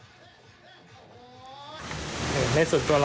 ในส่วนตัวเราเคยเข้าไปเที่ยวที่นี่ไหมครับ